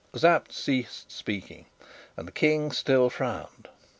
Sapt ceased speaking, and the King still frowned.